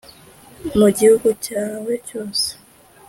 mu gihugu cyawe cyose,